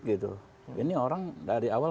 gitu ini orang dari awal